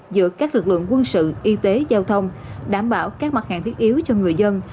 giữa các lực lượng quân sự y tế giao thông đảm bảo các mặt hàng thiết yếu cho người dân